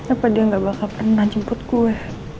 apa dia gak bakal pernah jemput kue